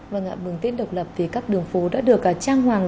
vâng ạ mừng tết độc lập thì các đường phố đã được trang hoàng